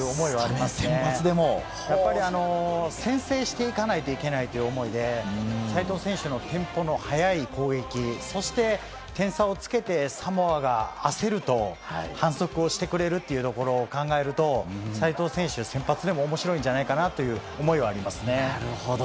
やっぱり先制していかないといけないという思いで、齋藤選手のテンポの速い攻撃、そして点差をつけてサモアが焦ると、反則をしてくれるというところを考えると、齋藤選手、先発でもおもしろいんじゃないかなという思いはあなるほど。